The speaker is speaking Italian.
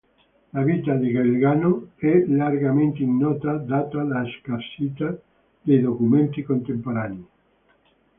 La vita di Galgano è largamente ignota, data la scarsità dei documenti contemporanei.